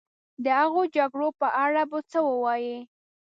د هغو جګړو په اړه به څه ووایې.